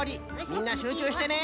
みんなしゅうちゅうしてね。